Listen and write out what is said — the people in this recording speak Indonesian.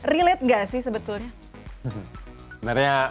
relate gak sih sebetulnya